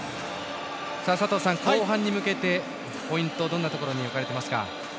佐藤さん、後半に向けてポイント、どんなところに置かれていますか？